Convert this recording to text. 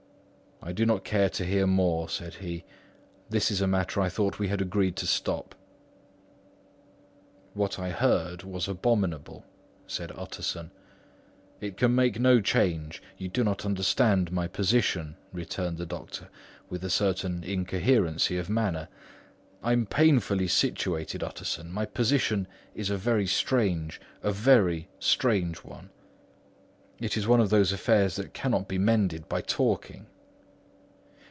"I do not care to hear more," said he. "This is a matter I thought we had agreed to drop." "What I heard was abominable," said Utterson. "It can make no change. You do not understand my position," returned the doctor, with a certain incoherency of manner. "I am painfully situated, Utterson; my position is a very strange—a very strange one. It is one of those affairs that cannot be mended by talking."